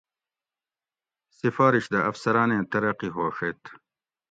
سِفارِش دہ افسراٞنیں ترقی ہوݭیت